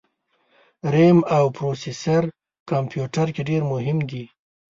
رېم او پروسیسر کمپیوټر کي ډېر مهم دي